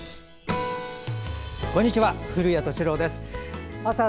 こんにちは。